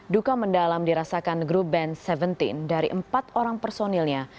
duka mendalam dirasakan grup band tujuh belas dari empat orang personilnya